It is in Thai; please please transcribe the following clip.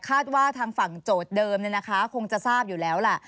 ว่าทางฝั่งโจทย์เดิมคงจะทราบอยู่แล้วล่ะ